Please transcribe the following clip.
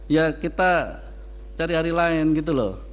ya kita cari hari lain gitu loh